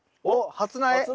初苗。